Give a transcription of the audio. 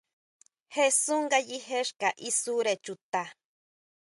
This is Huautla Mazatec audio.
Jesún ngayije xka isure chuta.